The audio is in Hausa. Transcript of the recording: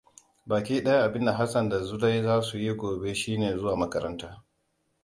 Baki daya abinda Hassan da Zulai za su yi gobe shine zuwa makaranta.